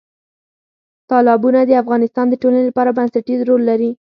تالابونه د افغانستان د ټولنې لپاره بنسټیز رول لري.